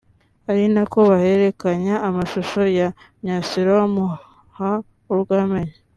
ari nako bahererekanya amashusho ya Myasiro bamuha urwamenyo